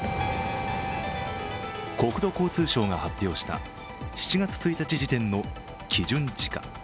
国土交通省が発表した７月１日時点の基準地価。